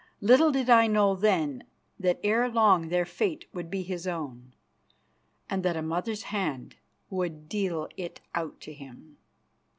Little did I know then that ere long their fate would be his own, and that a mother's hand would deal it out to him.